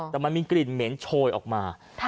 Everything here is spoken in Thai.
แต่มันมีเม้นโฉยออกมา